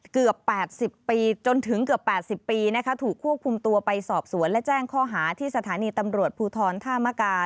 เกือบ๘๐ปีจนถึงเกือบ๘๐ปีนะคะถูกควบคุมตัวไปสอบสวนและแจ้งข้อหาที่สถานีตำรวจภูทรท่ามกา